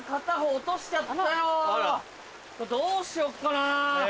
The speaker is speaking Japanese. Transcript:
どうしよっかな。